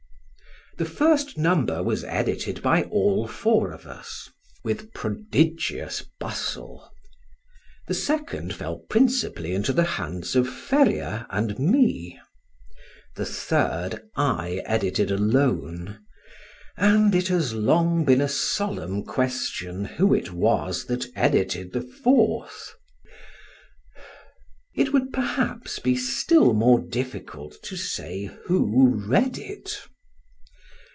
The first number was edited by all four of us with prodigious bustle; the second fell principally into the hands of Ferrier and me; the third I edited alone; and it has long been a solemn question who it was that edited the fourth. It would perhaps be still more difficult to say who read it.